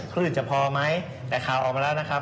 คลื่นจะพอไหมแต่ข่าวออกมาแล้วนะครับ